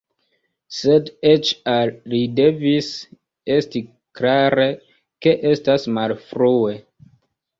Sed eĉ al li devis esti klare, ke estas malfrue.